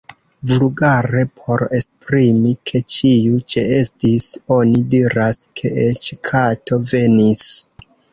Vulgare, por esprimi, ke ĉiu ĉeestis, oni diras, ke eĉ kato venis.